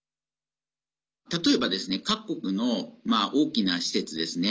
例えば各国の大きな施設ですね。